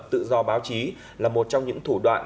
tự do báo chí là một trong những thủ đoạn